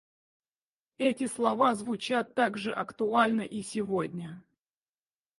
Эти слова звучат так же актуально и сегодня.